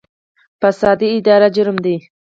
فساد اداري جرم دی